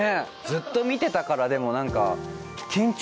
ずっと見てたからでも何か。